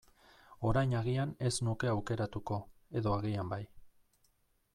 Orain agian ez nuke aukeratuko, edo agian bai.